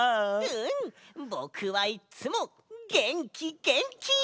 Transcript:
ぼくはいっつもげんきげんき！